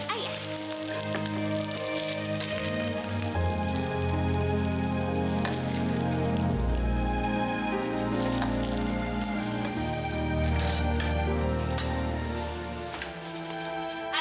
terima kasih pak